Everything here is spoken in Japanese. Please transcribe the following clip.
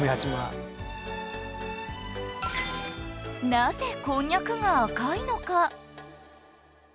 なぜこんにゃくが赤いのか？